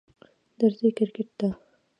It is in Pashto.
درځی کرکټ ته